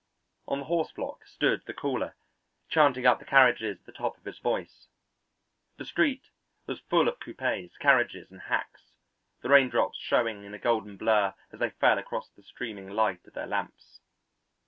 On the horse block stood the caller, chanting up the carriages at the top of his voice. The street was full of coupés, carriages, and hacks, the raindrops showing in a golden blur as they fell across the streaming light of their lamps.